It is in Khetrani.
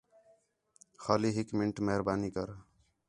خالی ہُِک مِنٹ مہربانی کر